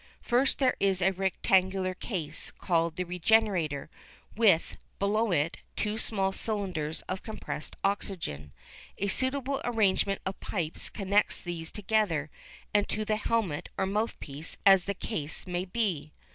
First there is a rectangular case, called the regenerator, with, below it, two small cylinders of compressed oxygen. A suitable arrangement of pipes connects these together, and to the helmet or mouth piece as the case may be.